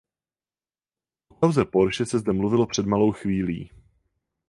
O kauze Porsche se zde mluvilo před malou chvílí.